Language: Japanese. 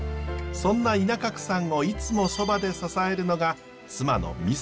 そんな稲角さんをいつもそばで支えるのが妻の美沙子さんです。